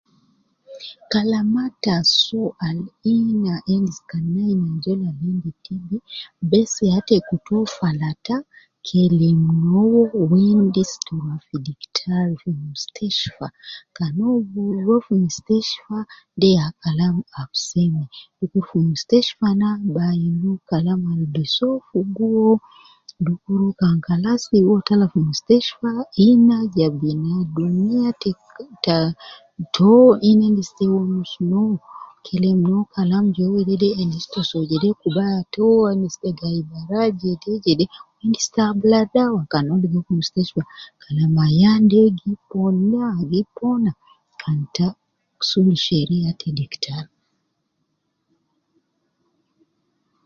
Kalama ta so Al Ina endi ta so Bess ya kutu uwo falata kelem nauwo yala kede uwo ruwa ruwa fi mustashfa. Yala kan uwo arija somolin ja saan